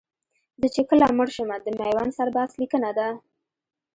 زه چې کله مړ شمه د میوند سرباز لیکنه ده